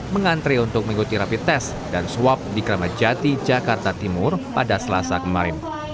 mengantri untuk mengikuti rapi tes dan swab di keramat jati jakarta timur pada selasa kemarin